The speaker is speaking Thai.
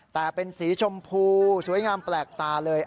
แต่เป็นสีชมพูสวยงามแปลกตาเลย